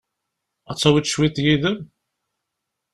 Ad tawiḍ cwiṭ yid-m?